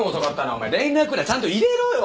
お前連絡ぐらいちゃんと入れろよ！